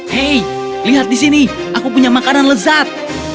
hei lihat di sini aku punya makanan lezat